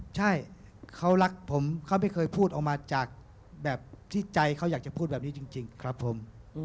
ใช่เขารักผมเขาไม่เคยพูดออกมาจากแบบที่ใจเขาอยากจะพูดแบบนี้จริงครับผม